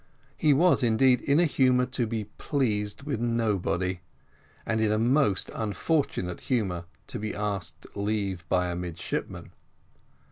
He was, indeed, in a humour to be pleased with nobody, and in a most unfortunate humour to be asked leave by a midshipman.